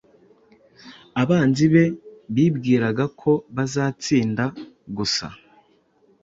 Abanzi be bibwiraga ko bazatsinda gusa